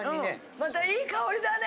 またいい香りだね！